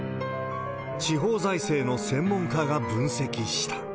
地方財政の専門家が分析した。